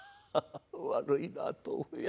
悪いなあ豆腐屋。